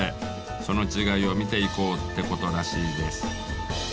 その違いを見ていこうってことらしいです。